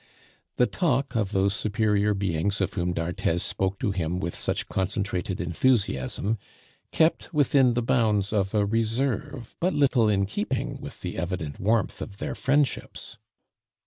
The talk of those superior beings of whom d'Arthez spoke to him with such concentrated enthusiasm kept within the bounds of a reserve but little in keeping with the evident warmth of their friendships.